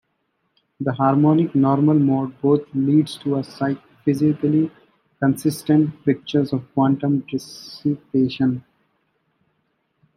The harmonic normal-mode bath leads to a physically consistent picture of quantum dissipation.